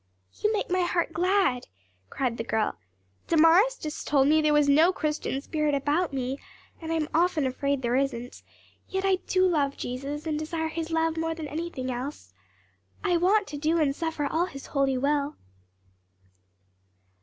"You make my heart glad!" cried the girl. "Damaris just told me there was no Christian spirit about me; and I'm often afraid there isn't; yet I do love Jesus and desire His love more than anything else. I want to do and suffer all His holy will!"